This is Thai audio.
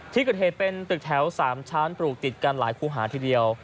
ที่เกิดเหตุเป็นตึกแถว๓ชั้นปลูกติดกันหลายคู่หาทีเดียว